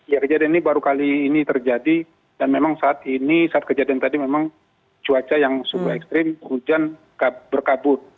ya kejadian ini baru kali ini terjadi dan memang saat ini saat kejadian tadi memang cuaca yang suhu ekstrim hujan berkabut